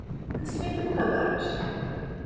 Kısmeti bu kadarmış…